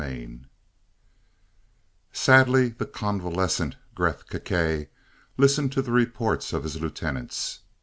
X Sadly the convalescent Gresth Gkae listened to the reports of his lieutenants.